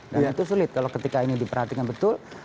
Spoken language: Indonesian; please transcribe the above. dan itu sulit kalau ketika ini diperhatikan betul